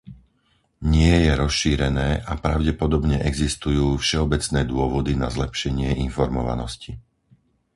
Nie je rozšírené a pravdepodobne existujú všeobecné dôvody na zlepšenie informovanosti.